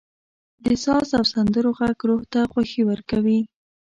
• د ساز او سندرو ږغ روح ته خوښي ورکوي.